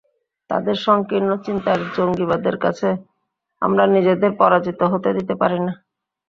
তাদের সংকীর্ণ চিন্তার জঙ্গিবাদের কাছে আমরা নিজেদের পরাজিত হতে দিতে পারি না।